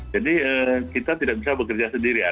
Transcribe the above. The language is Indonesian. jadi kita tidak bisa bekerja sendirian